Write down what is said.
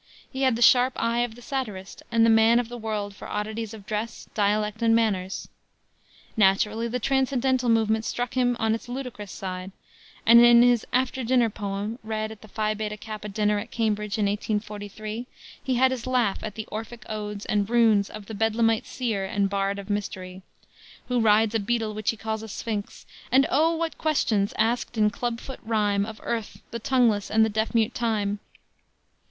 He had the sharp eye of the satirist and the man of the world for oddities of dress, dialect and manners. Naturally the transcendental movement struck him on its ludicrous side, and in his After Dinner Poem, read at the Phi Beta Kappa dinner at Cambridge in 1843, he had his laugh at the "Orphic odes" and "runes" of the bedlamite seer and bard of mystery "Who rides a beetle which he calls a 'sphinx,' And O what questions asked in club foot rhyme Of Earth the tongueless, and the deaf mute Time!